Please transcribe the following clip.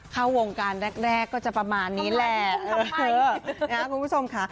เข้าวงการแรกก็จะประมาณนี้แหละ